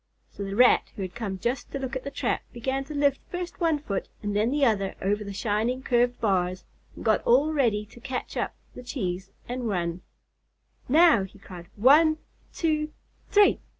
So the Rat who had come just to look at the trap, began to lift first one foot and then another over the shining curved bars, and got all ready to catch up the cheese and run. "Now!" he cried. "One, two, three!"